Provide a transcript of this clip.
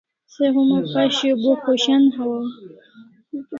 Se homa pashi bo khoshan hawaw